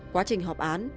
quá trình họp án